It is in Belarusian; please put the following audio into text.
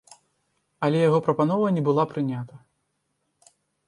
Але яго прапанова не была прынята.